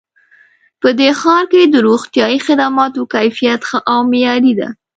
په دې ښار کې د روغتیایي خدماتو کیفیت ښه او معیاري ده